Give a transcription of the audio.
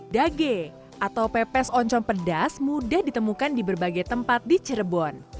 dage atau pepes oncom pedas mudah ditemukan di berbagai tempat di cirebon